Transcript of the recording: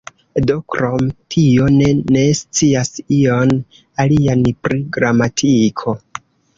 Do, krom tio, ne ne scias ion alian pri gramatiko.